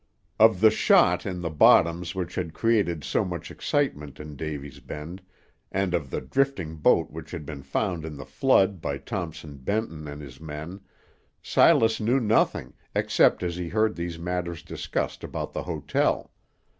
Of the shot in the bottoms which had created so much excitement in Davy's Bend, and of the drifting boat which had been found in the flood by Thompson Benton and his men, Silas knew nothing except as he heard these matters discussed about the hotel.